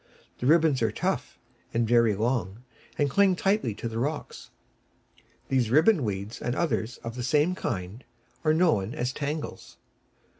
The ribbons are tough and very long, and cling tightly to the rocks. These ribbon weeds, and others of the same kind, are known as Tangles.